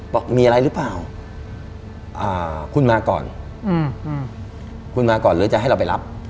บอกมีอะไรหรือเปล่าคุณมาก่อนคุณมาก่อนหรือจะให้เราไปรับ